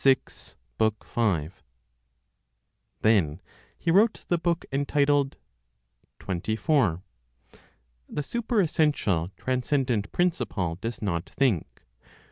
Then he wrote the book entitled: 24. The Superessential Transcendent Principle Does Not Think.